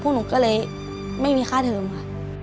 หนูก็เลยไม่มีค่าเทิมค่ะ